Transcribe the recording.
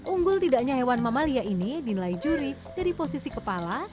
unggul tidaknya hewan mamalia ini dinilai juri dari posisi kepala